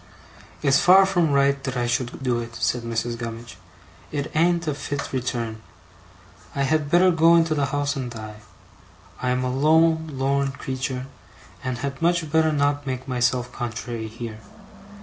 'It's far from right that I should do it,' said Mrs. Gummidge. 'It an't a fit return. I had better go into the house and die. I am a lone lorn creetur', and had much better not make myself contrary here.